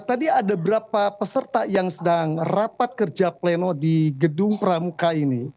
tadi ada berapa peserta yang sedang rapat kerja pleno di gedung pramuka ini